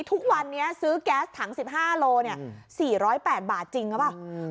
ทุกวันนี้ซื้อแก๊สถัง๑๕โล๔๐๘บาทจริงหรือเปล่า